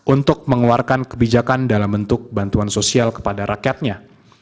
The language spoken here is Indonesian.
untuk mengeluarkan kebijakan dalam bentuk bantuan sosial kepada rakyatnya